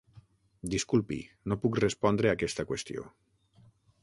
Disculpi, no puc respondre aquesta qüestió.